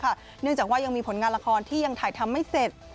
เนื่องจากว่ายังมีผลงานละครที่ยังถ่ายทำไม่เสร็จ